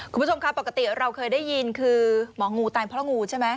คุณผู้ชมครับปกติเราเคยได้ยินคือหมองูตายเพราะงูใช่ไหม